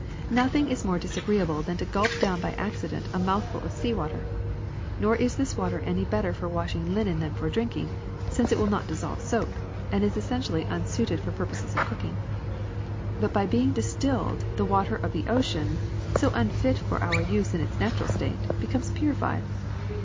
''Nothing is more disagreeable than to gulp do^vn by accident a mouthful of sea water. Nor is this water any better for washing linen than for drinking, since it will not dissolve soap ; and it is equally un suited for purposes of cooking. But by being dis tilled the water of the ocean, so unfit for our use in its natural state, becomes purified.